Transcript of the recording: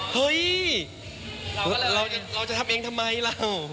เฮ้ยเราจะทำเองทำไมเรา